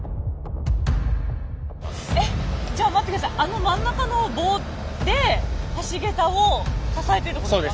えっじゃあ待って下さいあの真ん中の棒で橋桁を支えてるってことですか？